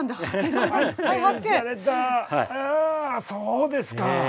あそうですか。